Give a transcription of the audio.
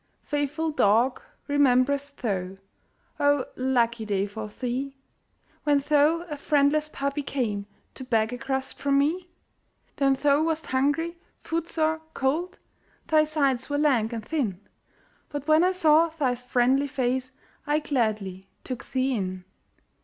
Faithful dog, rememb'rest thou (Oh, lucky day for thee!) When thou, a friendless puppy, came To beg a crust from me? Then thou wast hungry, footsore, cold, Thy sides were lank and thin; But when I saw thy friendly face I gladly took thee in.